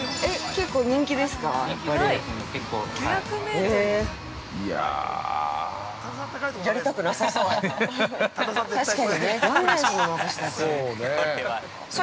◆結構人気ですか。